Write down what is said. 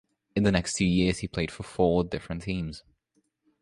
In the next two years he played for four different teams.